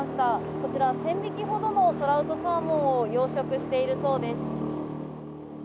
こちら、１０００匹ほどのトラウトサーモンを養殖しているそうです。